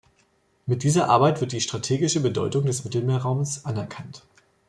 Mit dieser Arbeit wird die strategische Bedeutung des Mittelmeerraums anerkannt.